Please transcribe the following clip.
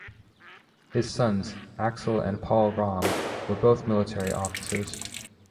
His sons Axel and Paul Ramm were both military officers.